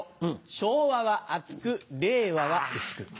昭和は厚く令和は薄く。